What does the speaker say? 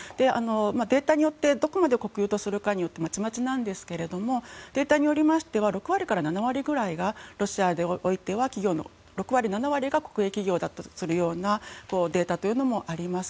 データによってどこまで国有とするかはまちまちですがデータによりますと６割から７割ぐらいがロシアにおいては国営企業だというデータというのもあります。